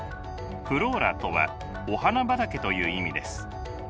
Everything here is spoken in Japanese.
フローラとはお花畑という意味です。